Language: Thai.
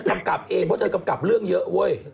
อ๋ออยากบอกบอกมาเรื่องอะไร